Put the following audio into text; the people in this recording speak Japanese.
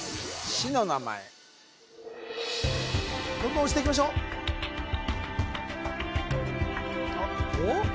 市の名前どんどん押していきましょうおっ？